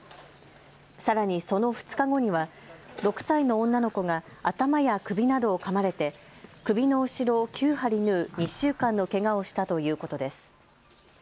さらに、その２日後には６歳の女の子が頭や首などをかまれて首の後ろを９針縫う２週間のけがをしたということです。